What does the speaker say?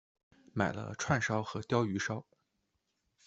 买了串烧和鲷鱼烧